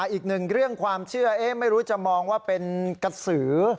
อีกหนึ่งเรื่องความเชื่อไม่รู้จะมองว่าเป็นกระสือ